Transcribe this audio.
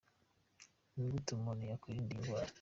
Ni gute umuntu yakwirinda iyi ndwara?.